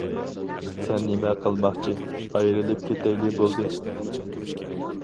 سەن نېمە قىلماقچى، ئايرىلىپ كېتەيلى بولدى!